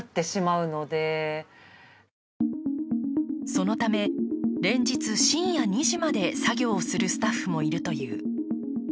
そのため連日深夜２時まで作業するスタッフがいるという。